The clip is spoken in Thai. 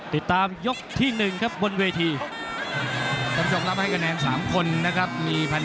ติดตามยกที่๑ครับบนเวที